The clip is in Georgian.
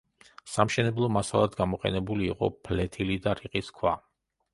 სამშენებლო მასალად გამოყენებული იყო ფლეთილი და რიყის ქვა.